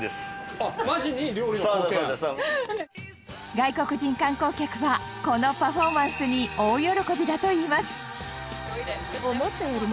外国人観光客はこのパフォーマンスに大喜びだといいます。